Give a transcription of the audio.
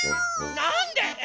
なんでえ？